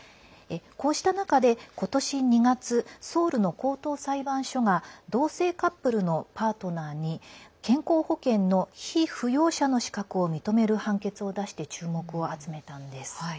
こうした中で、今年２月ソウルの高等裁判所が同性カップルのパートナーに健康保険の被扶養者の資格を認める判決を出して注目を集めたんです。